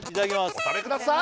お食べください